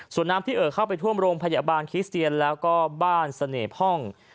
ส่วนน้ำที่เอ่อเข้าไปท่วมโรงพยาบาลคิสเตียนแล้วก็บ้านเสน่ห์ห้อง